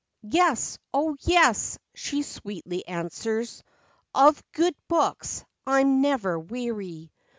"Yes, O yes," she sweetly answers; " Of good books I'm never weary."